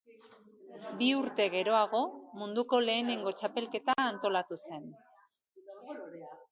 Bi urte geroago munduko lehenengo txapelketa antolatu zen.